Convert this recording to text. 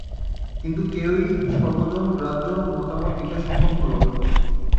কিন্তু কেউই সর্বজন গ্রাহ্য মতামত দিতে সক্ষম হলো না।